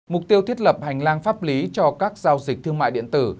mục tiêu thiết lập hành lang pháp lý cho các giao dịch thương mại điện tử